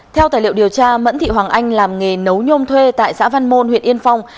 theo tài liệu điều tra mẫn thị hoàng anh làm nghề nấu nhôm thuê tại xã văn môn huyện yên phong